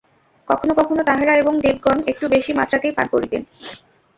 কখনও কখনও তাঁহারা এবং দেবগণ একটু বেশী মাত্রাতেই পান করিতেন।